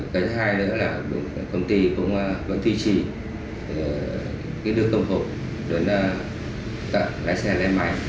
cái hai nữa là công ty vẫn tuy trì đưa công cụ tận lái xe lái máy